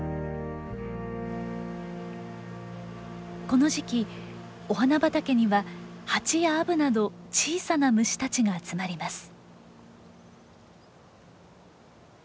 この時期お花畑にはハチやアブなど小さな虫たちが集まります。